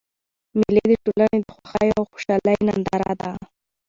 مېلې د ټولني د خوښیو او خوشحالۍ ننداره ده.